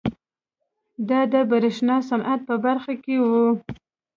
دا د برېښنا صنعت په برخه کې وه.